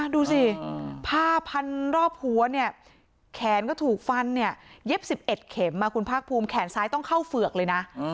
ดูสิผ้าพันรอบหัวเนี่ยแขนก็ถูกฟันเนี่ยเย็บ๑๑เข็มคุณภาคภูมิแขนซ้ายต้องเข้าเฝือกเลยนะ